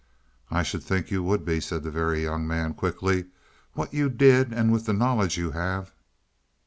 "I should think you would be," said the Very Young Man quickly. "What you did, and with the knowledge you have."